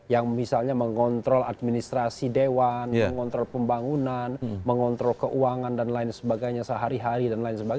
yang misalnya mengontrol administrasi dewan mengontrol pembangunan mengontrol keuangan dan lain sebagainya sehari hari dan lain sebagainya